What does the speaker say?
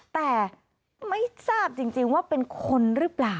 แต่ไม่ทราบจริงว่าเป็นคนหรือเปล่า